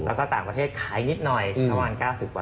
แล้วก็ต่างประเทศขายนิดหน่อยระหว่าง๙๐ล้านอยู่